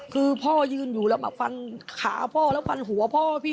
คือพ่อยืนอยู่แล้วมาฟันขาพ่อแล้วฟันหัวพ่อพี่